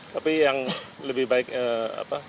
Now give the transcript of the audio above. tapi yang lebih baik kita fokuskan sekarang